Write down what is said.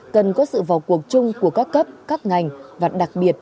cần có sự vào cuộc chung của các cấp các ngành và đặc biệt